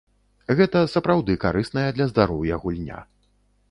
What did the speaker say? Гэта сапраўды карысная для здароўя гульня.